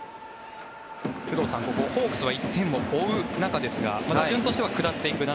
工藤さん、ここホークスは追う中ですが打順としては下っていく７、